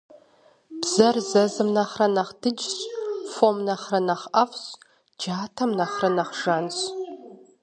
Бзэр зэзым нэхърэ нэхъ дыджщ, фом нэхърэ нэхъ IэфIщ, джатэм нэхърэ нэхъ жанщ.